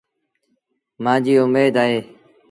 مآݩجيٚ اُميد اهي۔